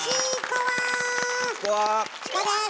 チコです！